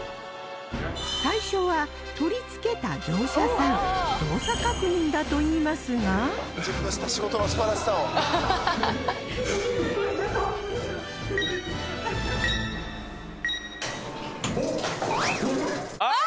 最初は取り付けた業者さん動作確認だといいますがあららららちょっとあーっ！